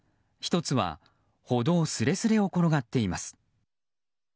１つは歩道すれすれを転がっています。